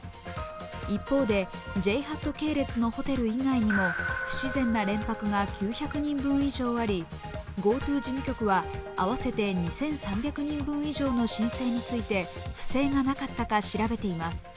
一方で、ＪＨＡＴ系列のホテル以外にも不自然な連泊が９００人以上ありＧｏＴｏ事務局は合わせて２３００人以上の申請について不正がなかった調べています。